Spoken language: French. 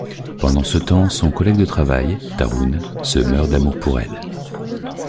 Pendant ce temps son collègue de travail, Tarun, se meurt d'amour pour elle.